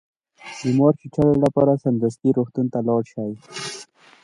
د مار د چیچلو لپاره سمدستي روغتون ته لاړ شئ